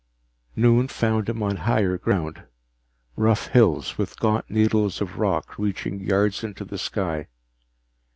Noon found him on higher ground, rough hills with gaunt needles of rock reaching yards into the sky.